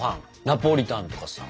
ナポリタンとかさ。